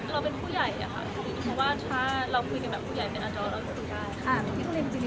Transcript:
เรื่องมีช่วงนี้